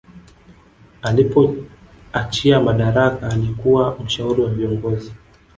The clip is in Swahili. alipoachia madaraka alikuwa mshauri wa viongozi